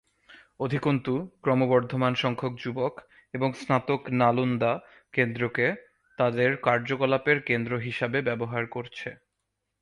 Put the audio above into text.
অধিকন্তু, ক্রমবর্ধমান সংখ্যক যুবক এবং স্নাতক নালন্দা কেন্দ্রকে তাদের কার্যকলাপের কেন্দ্র হিসাবে ব্যবহার করছে।